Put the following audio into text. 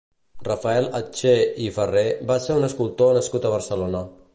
Rafael Atché i Ferré va ser un escultor nascut a Barcelona.